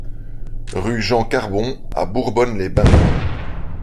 Rue Jean Carbon à Bourbonne-les-Bains